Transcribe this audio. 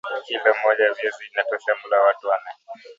kilo moja ya viazi inatosha mlo wa watu nne